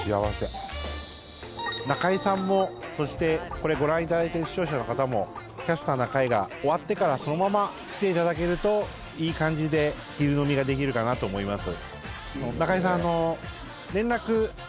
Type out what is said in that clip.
中居さんも、そしてこれ、ご覧いただいている視聴者の方も「キャスターな会」が終わってからそのまま来ていただけるといい感じで昼飲みができるかなと思います。